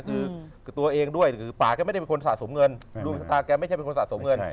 คือตัวเองด้วยหรือป่าแกไม่ได้เป็นคนสะสมเงินดวงชะตาแกไม่ใช่เป็นคนสะสมเงิน